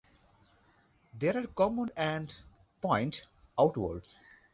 They are common and point outwards.